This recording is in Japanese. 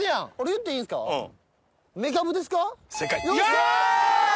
よっしゃ！